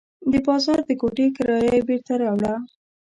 د بازار د کوټې کرایه یې بېرته راوړه.